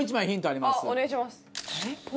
あっお願いします。